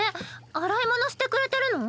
洗い物してくれてるの？